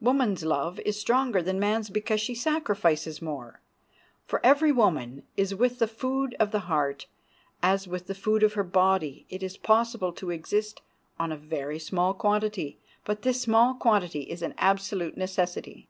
Woman's love is stronger than man's because she sacrifices more. For every woman is with the food of the heart as with the food of her body; it is possible to exist on a very small quantity, but this small quantity is an absolute necessity.